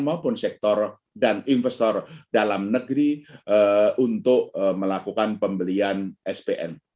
maupun sektor dan investor dalam negeri untuk melakukan pembelian spn